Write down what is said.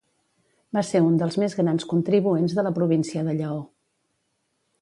Va ser un dels més grans contribuents de la província de Lleó.